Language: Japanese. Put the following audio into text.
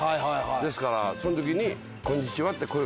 ですからその時に「こんにちは」って声掛けてくれて。